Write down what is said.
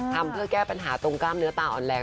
ทำเพื่อแก้ปัญหาตรงกล้ามเนื้อตาอ่อนแรง